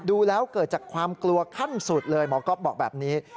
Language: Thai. ดูแล้วเกิดจากความกลัวขั้นสุดเลยหมอก๊อฟบอกแบบนี้